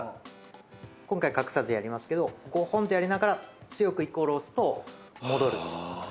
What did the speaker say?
今回隠さずやりますけどゴホンとやりながら強く＝を押すと戻る。